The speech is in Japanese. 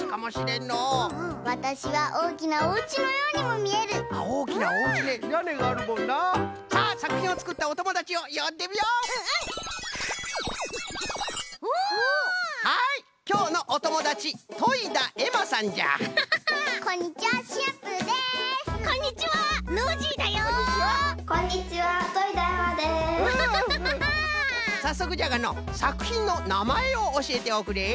さっそくじゃがのうさくひんのなまえをおしえておくれ。